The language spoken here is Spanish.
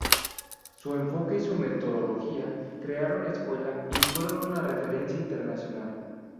Su enfoque y su metodología crearon escuela y fueron una referencia internacional.